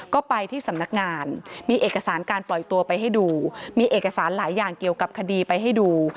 ก็ไปที่สำนักงานมีเอกสารการปล่อยตัวไปให้ดูมีเอกสารหลายอย่างเกี่ยวกับคดีไปให้ดู